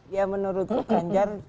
ya menurut ganjar